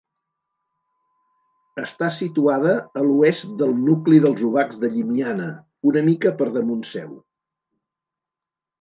Està situada a l'oest del nucli dels Obacs de Llimiana, una mica per damunt seu.